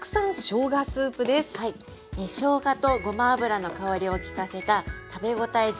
しょうがとごま油の香りをきかせた食べ応え十分のスープです。